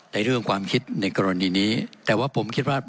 ในเรื่องความคิดในกรณีนี้แต่ว่าผมคิดว่า